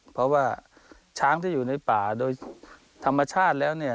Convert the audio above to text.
เพราะว่าช้างที่อยู่ในป่าโดยธรรมชาติแล้วเนี่ย